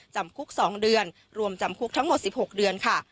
จำคุก๒เดือนรวมจำคุกทั้งหมด๑๖เดือนค่ะ